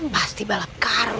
pasti balap karun